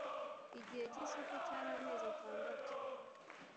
Igihe cy ‘isoko cyari amezi atandatu.